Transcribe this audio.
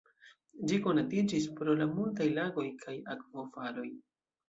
Ĝi konatiĝis pro la multaj lagoj kaj akvofaloj.